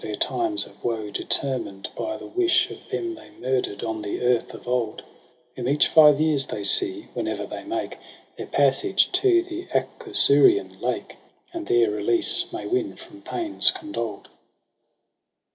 Their times of woe determined by the wish Of them they murder'd on the earth of old : Whom each five years they see, whene'er they make Their passage to the Acherusian lake. And there release may win from pains condoled.